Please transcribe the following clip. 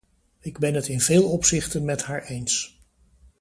Ik ben het in veel opzichten met haar eens.